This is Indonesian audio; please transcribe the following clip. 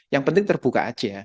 yang penting terbuka aja